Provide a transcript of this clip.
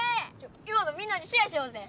今のみんなにシェアしようぜ。